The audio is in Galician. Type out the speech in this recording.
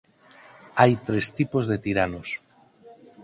Hai tres tipos de tiranos.